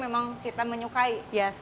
memang kita menyukai